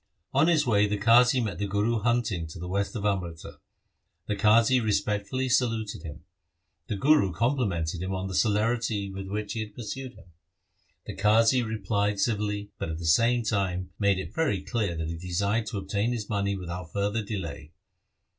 On his way the Qazi met the Guru hunting to the west of Amritsar. The Qazi respectfully saluted him. The Guru complimented him on the celerity with which he had pursued him. The Qazi replied civilly, but at the same time made it very clear that he desired to obtain his money without further delay.